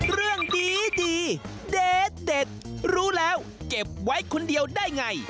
เรื่องดีเด็ดรู้แล้วเก็บไว้คนเดียวได้ไง